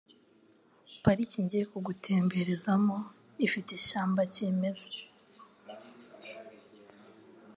Pariki ngiye kugutemberezamo ifite ishyamba kimeza